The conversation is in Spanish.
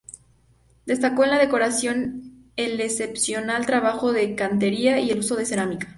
Destaca en la decoración el excepcional trabajo de cantería y el uso de cerámica.